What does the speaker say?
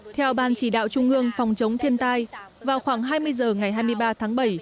theo ban chỉ đạo trung ương phòng chống thiên tai vào khoảng hai mươi h ngày hai mươi ba tháng bảy